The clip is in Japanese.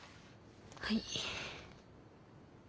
はい。